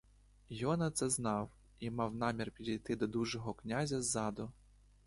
Йона це знав і мав намір підійти до дужого князя ззаду.